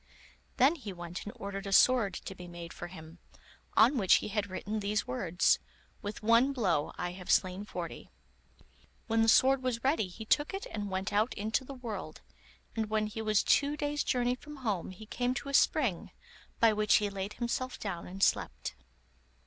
Then he went and ordered a sword to be made for him, on which he had written these words: 'With one blow I have slain forty.' When the sword was ready he took it and went out into the world, and when he was two days' journey from home he came to a spring, by which he laid himself down and slept.